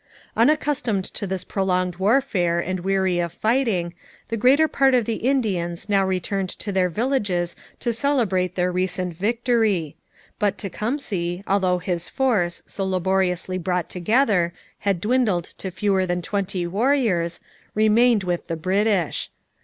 Unaccustomed to this prolonged warfare and weary of fighting, the greater part of the Indians now returned to their villages to celebrate their recent victory; but Tecumseh, although his force, so laboriously brought together, had dwindled to fewer than twenty warriors, remained with the British.